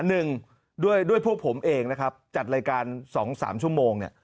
หนึ่งด้วยพวกผมเองนะครับจัดรายการ๒๓ชั่วโมงนะ